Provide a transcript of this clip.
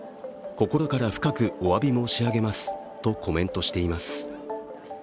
心から深くおわび申し上げますとコメントしています。